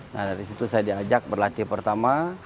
nah dari situ saya diajak berlatih pertama